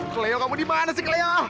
kliu kamu dimana sih kliu